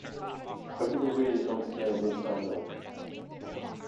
Haven’t they reared it on snails and sour milk?